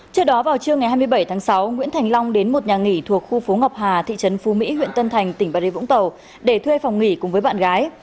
trước đó vào trưa ngày hai mươi bảy tháng sáu nguyễn thành long đến một nhà nghỉ thuộc khu phố ngọc hà thị trấn phú mỹ huyện tân thành tỉnh bà rê vũng tàu để thuê phòng nghỉ cùng với bạn gái